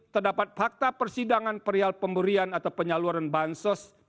terdapat fakta persidangan perial pemberian atau penyaluran bansos